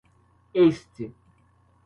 este